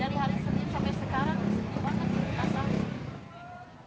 dari hari senin sampai sekarang sedih banget di bekasi